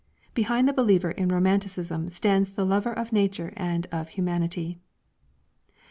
Behind the believer in romanticism stands the lover of nature and of humanity.